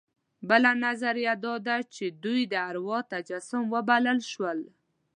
بله نظریه دا ده چې دوی د اروا تجسم وبلل شول.